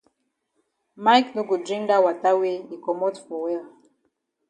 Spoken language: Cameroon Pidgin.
Mike no go drink dat wata wey yi komot for well.